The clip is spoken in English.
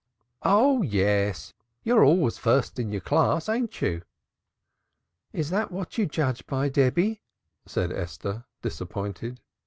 "Oh yes, you're always first in your class, ain't you?" "Is that what you judge by, Debby?" said Esther, disappointed.